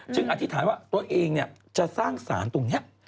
ชึงอัธิทันว่าตัวเองเนี่ยจะสร้างศาลตรงเนี่ย